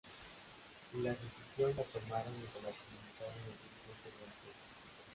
La decisión la tomaron y se la comunicaron los dirigentes del club.